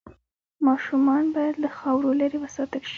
ماشومان باید له خاورو لرې وساتل شي۔